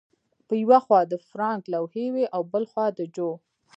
په یوه خوا د فرانک لوحې وې او بل خوا د جو